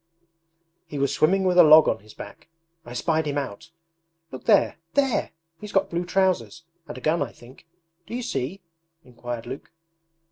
'He was swimming with a log on his back. I spied him out! ... Look there. There! He's got blue trousers, and a gun I think.... Do you see?' inquired Luke.